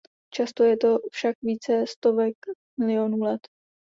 Často je to však více stovek milionů let.